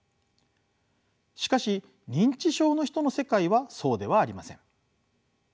しかし認知症の人の世界はそうではありません。